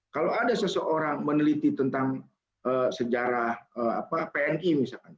kalau ada seseorang meneliti tentang sejarah pni misalnya